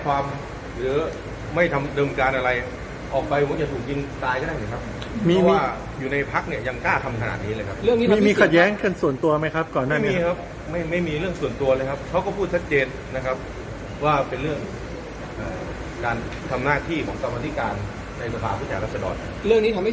เขาก็พูดตัดเจนต่อหน้าผู้ด้าพักที่จะไปแจ้งความที่สอนวัลต์